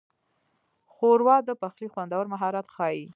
ښوروا د پخلي خوندور مهارت ښيي.